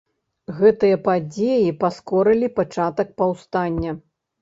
Гэтыя падзеі паскорылі пачатак паўстання.